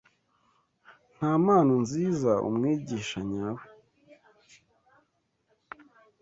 Nta mpano nziza umwigisha nyawe